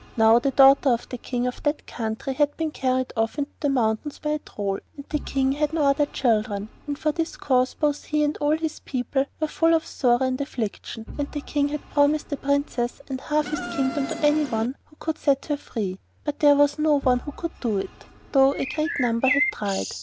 Now the daughter of the King of that country had been carried off into the mountains by a Troll, and the King had no other children, and for this cause both he and all his people were full of sorrow and affliction, and the King had promised the Princess and half his kingdom to anyone who could set her free; but there was no one who could do it, though a great number had tried.